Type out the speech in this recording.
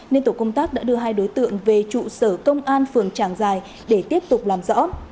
nên tổ công tác đã đưa hai đối tượng về trụ sở công an phường trảng giải để tiếp tục làm rõ